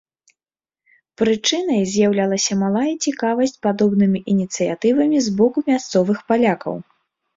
Прычынай з'яўлялася малая цікавасць падобнымі ініцыятывамі з боку мясцовых палякаў.